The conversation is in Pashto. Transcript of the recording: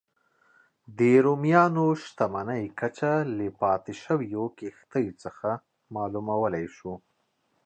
د رومیانو شتمنۍ کچه له پاتې شویو کښتیو څخه معلومولای شو